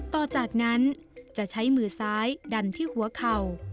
ต่อจากนั้นจะใช้มือซ้ายดันที่หัวเข่า